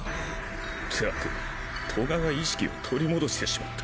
ったくトガが意識を取り戻してしまった。